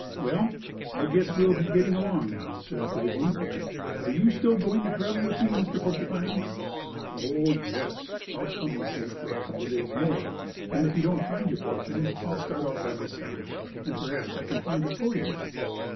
"Well, I guess we'll be getting along now," said Uncle Wiggily. "Are you still going to travel with me, Mr. Porcupine?" "Oh, yes, I'll come with you for a couple days more, and then if you don't find your fortune I'll start out by myself, and perhaps I can find it for you."